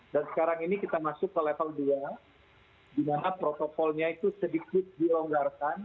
dan sekarang ini kita masuk ke level dua di mana protokolnya itu sedikit dilonggarkan